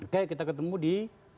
kayak kita ketemu di